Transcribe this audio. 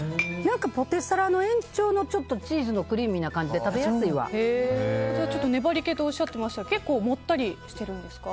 ポテサラの延長のチーズのクリーミーな感じで粘り気っておっしゃってましたが結構もったりしてるんですか？